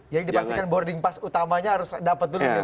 jadi dipastikan boarding pass utamanya harus dapat dulu